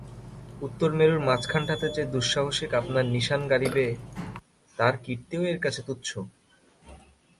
উত্তরমেরুর মাঝখানটাতে যে দুঃসাহসিক আপনার নিশান গাড়িবে তার কীর্তিও এর কাছে তুচ্ছ।